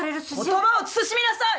言葉を慎みなさい！